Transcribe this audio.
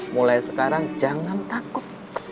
mulai sekarang jangan takut